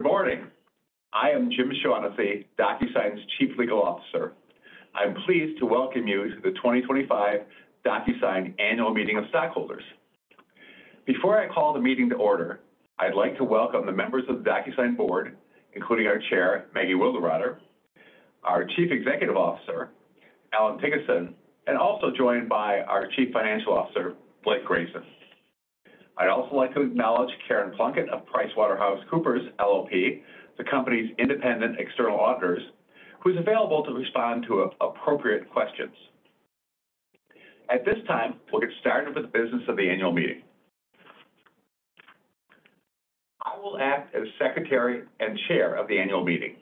Good morning. I am Jim Shaughnessy, Docusign's Chief Legal Officer. I'm pleased to welcome you to the 2025 Docusign Annual Meeting of Stakeholders. Before I call the meeting to order, I'd like to welcome the members of the Docusign board, including our Chair, Maggie Wilderotter, our Chief Executive Officer, Allan Thygesen, and also joined by our Chief Financial Officer, Blake Grayson. I'd also like to acknowledge Karen Plunkett of PricewaterhouseCoopers LLP, the company's independent external auditors, who is available to respond to appropriate questions. At this time, we'll get started with the business of the annual meeting. I will act as Secretary and Chair of the annual meeting.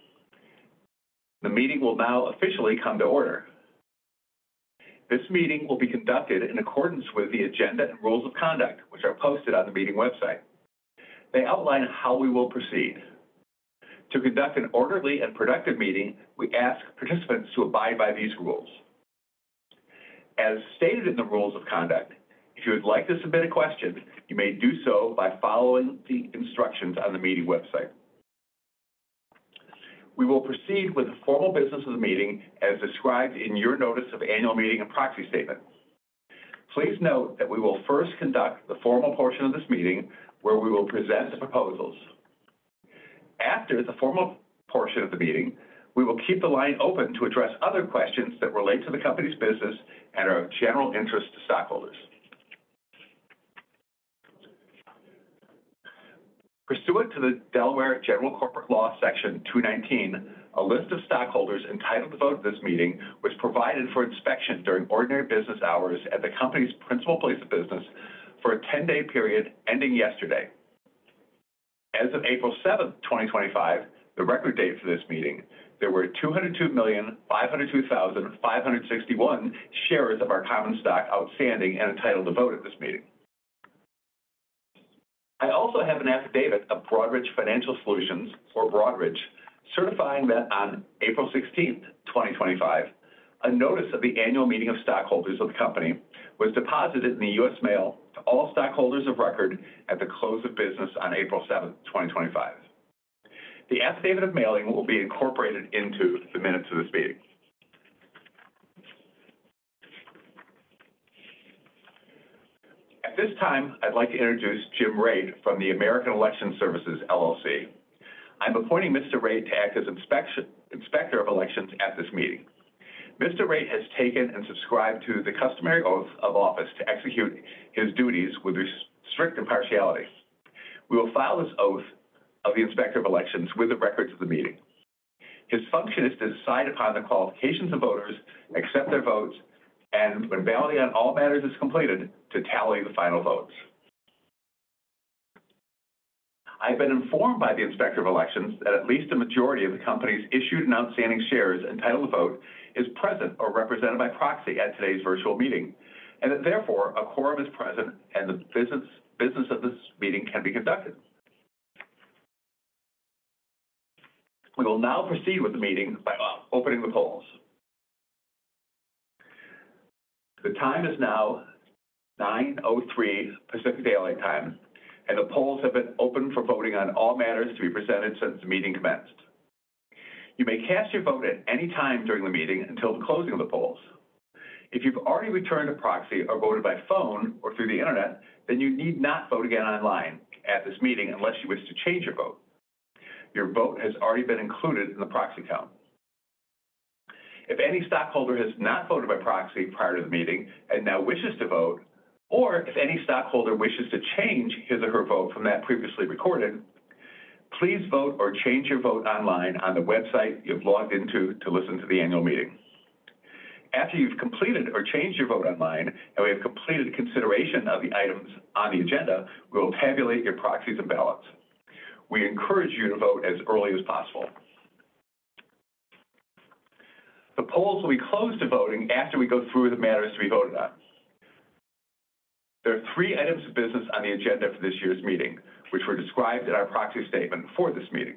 The meeting will now officially come to order. This meeting will be conducted in accordance with the agenda and rules of conduct, which are posted on the meeting website. They outline how we will proceed. To conduct an orderly and productive meeting, we ask participants to abide by these rules. As stated in the rules of conduct, if you would like to submit a question, you may do so by following the instructions on the meeting website. We will proceed with the formal business of the meeting as described in your Notice of Annual Meeting and Proxy Statement. Please note that we will first conduct the formal portion of this meeting, where we will present the proposals. After the formal portion of the meeting, we will keep the line open to address other questions that relate to the company's business and are of general interest to stakeholders. Pursuant to the Delaware General Corporation Law, Section 219, a list of stakeholders entitled to vote at this meeting was provided for inspection during ordinary business hours at the company's principal place of business for a 10-day period ending yesterday. As of April 7, 2025, the record date for this meeting, there were 202,502,561 shares of our common stock outstanding and entitled to vote at this meeting. I also have an affidavit of Broadridge Financial Solutions for Broadridge, certifying that on April 16, 2025, a notice of the annual meeting of stakeholders of the company was deposited in the U.S. mail to all stakeholders of record at the close of business on April 7, 2025. The affidavit of mailing will be incorporated into the minutes of this meeting. At this time, I'd like to introduce Jim Reid from American Election Services. I'm appointing Mr. Reid to act as Inspector of Elections at this meeting. Mr. Reid has taken and subscribed to the customary oath of office to execute his duties with strict impartiality. We will file this oath of the Inspector of Elections with the records of the meeting. His function is to decide upon the qualifications of voters, accept their votes, and when validation on all matters is completed, to tally the final votes. I've been informed by the Inspector of Elections that at least a majority of the company's issued and outstanding shares entitled to vote is present or represented by proxy at today's virtual meeting, and that therefore a quorum is present and the business of this meeting can be conducted. We will now proceed with the meeting by opening the polls. The time is now 9:03 A.M. Pacific Daylight Time, and the polls have been open for voting on all matters to be presented since the meeting commenced. You may cast your vote at any time during the meeting until the closing of the polls. If you've already returned a proxy or voted by phone or through the internet, then you need not vote again online at this meeting unless you wish to change your vote. Your vote has already been included in the proxy count. If any stakeholder has not voted by proxy prior to the meeting and now wishes to vote, or if any stakeholder wishes to change his or her vote from that previously recorded, please vote or change your vote online on the website you've logged into to listen to the annual meeting. After you've completed or changed your vote online and we have completed consideration of the items on the agenda, we will tabulate your proxies and balance. We encourage you to vote as early as possible. The polls will be closed to voting after we go through the matters to be voted on. There are three items of business on the agenda for this year's meeting, which were described in our proxy statement for this meeting.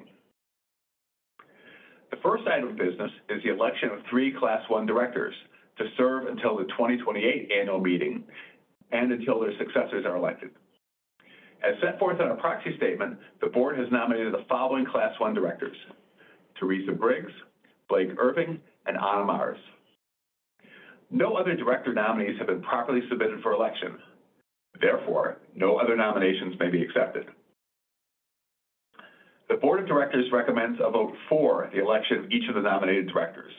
The first item of business is the election of three Class 1 directors to serve until the 2028 annual meeting and until their successors are elected. As set forth in our proxy statement, the board has nominated the following Class 1 directors: Teresa Briggs, Blake Irving, and Anna Mars. No other director nominees have been properly submitted for election. Therefore, no other nominations may be accepted. The board of directors recommends a vote for the election of each of the nominated directors.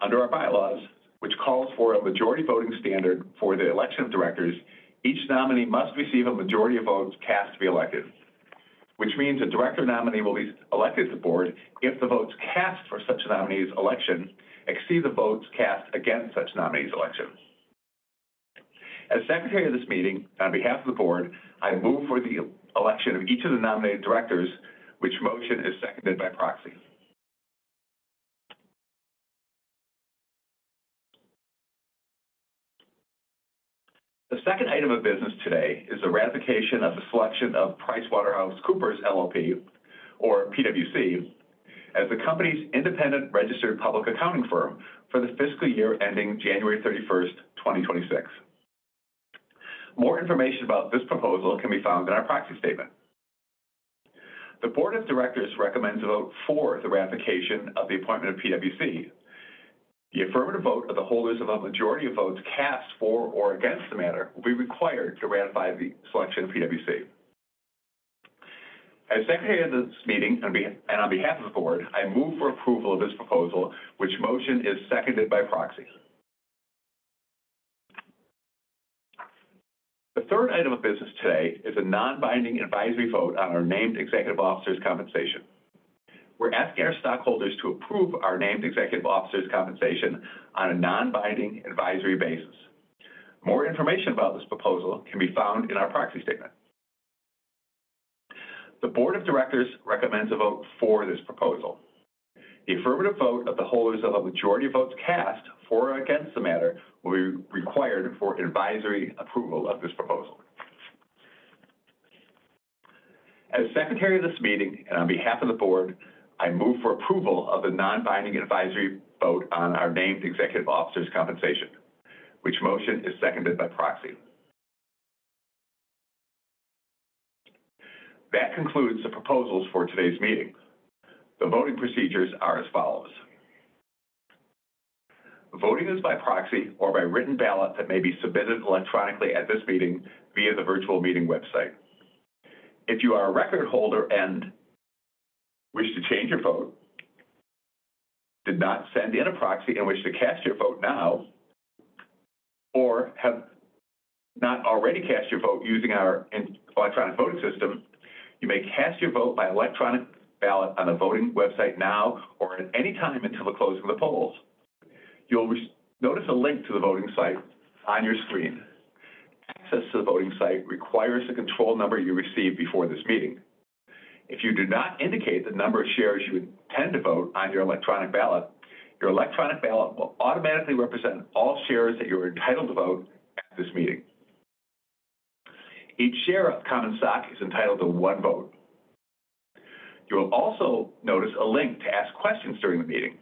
Under our bylaws, which calls for a majority voting standard for the election of directors, each nominee must receive a majority of votes cast to be elected, which means a director nominee will be elected to the board if the votes cast for such a nominee's election exceed the votes cast against such a nominee's election. As Secretary of this meeting, on behalf of the board, I move for the election of each of the nominated directors, which motion is seconded by proxy. The second item of business today is the ratification of the selection of PricewaterhouseCoopers LLP, or PWC, as the company's independent registered public accounting firm for the fiscal year ending January 31, 2026. More information about this proposal can be found in our proxy statement. The board of directors recommends a vote for the ratification of the appointment of PricewaterhouseCoopers LLP. The affirmative vote of the holders of a majority of votes cast for or against the matter will be required to ratify the selection of PricewaterhouseCoopers LLP. As Secretary of this meeting and on behalf of the board, I move for approval of this proposal, which motion is seconded by proxy. The third item of business today is a non-binding advisory vote on our named executive officer compensation. We're asking our stakeholders to approve our named executive officer compensation on a non-binding advisory basis. More information about this proposal can be found in our proxy statement. The board of directors recommends a vote for this proposal. The affirmative vote of the holders of a majority of votes cast for or against the matter will be required for advisory approval of this proposal. As Secretary of this meeting and on behalf of the board, I move for approval of the non-binding advisory vote on our Named Executive Officer Compensation, which motion is seconded by proxy. That concludes the proposals for today's meeting. The voting procedures are as follows. Voting is by proxy or by written ballot that may be submitted electronically at this meeting via the virtual meeting website. If you are a record holder and wish to change your vote, did not send in a proxy and wish to cast your vote now, or have not already cast your vote using our electronic voting system, you may cast your vote by electronic ballot on the voting website now or at any time until the closing of the polls. You'll notice a link to the voting site on your screen. Access to the voting site requires the control number you received before this meeting. If you do not indicate the number of shares you intend to vote on your electronic ballot, your electronic ballot will automatically represent all shares that you are entitled to vote at this meeting. Each share of common stock is entitled to one vote. You will also notice a link to ask questions during the meeting.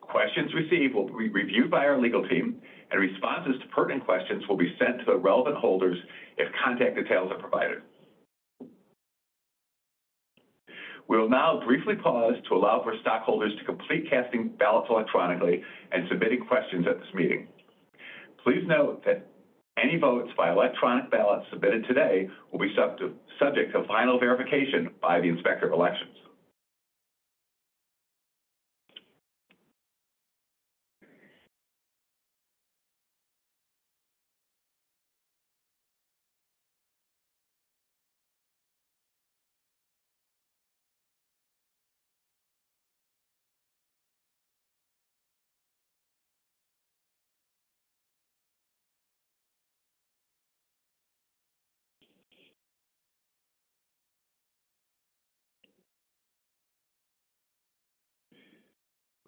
Questions received will be reviewed by our legal team, and responses to pertinent questions will be sent to the relevant holders if contact details are provided. We will now briefly pause to allow for stakeholders to complete casting ballots electronically and submitting questions at this meeting. Please note that any votes by electronic ballot submitted today will be subject to final verification by the Inspector of Elections.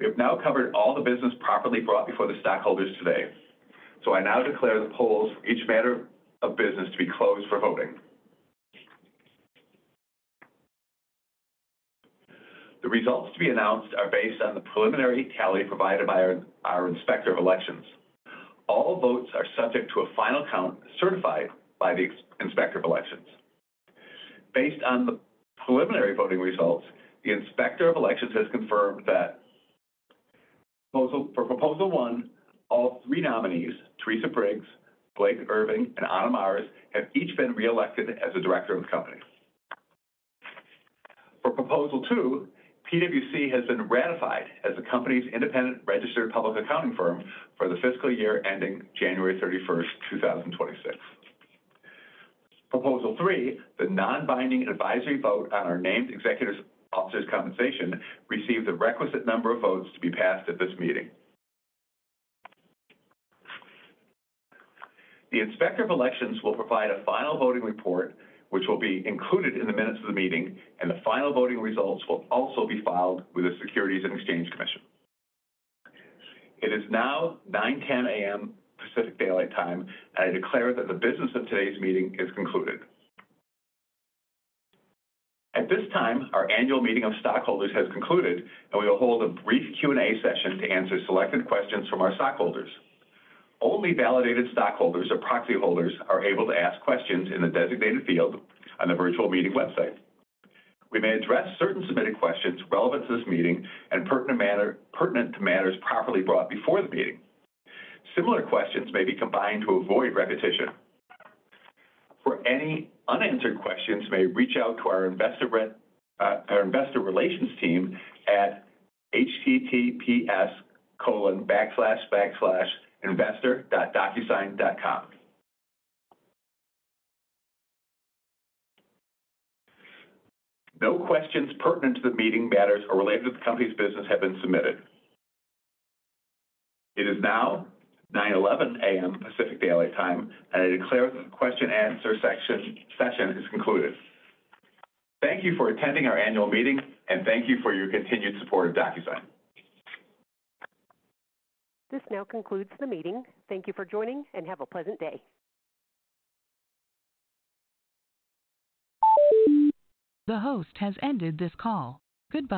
We have now covered all the business properly brought before the stakeholders today, so I now declare the polls for each matter of business to be closed for voting. The results to be announced are based on the preliminary tally provided by our Inspector of Elections. All votes are subject to a final count certified by the Inspector of Elections. Based on the preliminary voting results, the Inspector of Elections has confirmed that for Proposal One, all three nominees, Teresa Briggs, Blake Irving, and Anna Mars, have each been re-elected as the director of the company. For Proposal Two, PricewaterhouseCoopers LLP has been ratified as the company's independent registered public accounting firm for the fiscal year ending January 31, 2026. Proposal Three, the non-binding advisory vote on our named executive officer compensation, received the requisite number of votes to be passed at this meeting. The Inspector of Elections will provide a final voting report, which will be included in the minutes of the meeting, and the final voting results will also be filed with the Securities and Exchange Commission. It is now 9:10 A.M. Pacific Daylight Time, and I declare that the business of today's meeting is concluded. At this time, our annual meeting of stakeholders has concluded, and we will hold a brief Q&A session to answer selected questions from our stakeholders. Only validated stakeholders or proxy holders are able to ask questions in the designated field on the virtual meeting website. We may address certain submitted questions relevant to this meeting and pertinent to matters properly brought before the meeting. Similar questions may be combined to avoid repetition. For any unanswered questions, you may reach out to our investor relations team at https://investor.docusign.com. No questions pertinent to the meeting matters or related to the company's business have been submitted. It is now 9:11 A.M. Pacific Daylight Time, and I declare that the question-and-answer session is concluded. Thank you for attending our annual meeting, and thank you for your continued support of Docusign. This now concludes the meeting. Thank you for joining, and have a pleasant day. The host has ended this call. Goodbye.